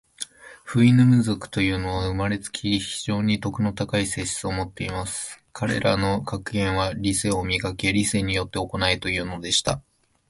フウイヌム族というのは、生れつき、非常に徳の高い性質を持っています。彼等の格言は、『理性を磨け。理性によって行え。』というのでした。